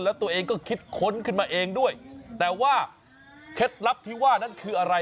แล้วตัวเองก็คิดค้นขึ้นมาเองด้วยแต่ว่าเคล็ดลับที่ว่านั้นคืออะไร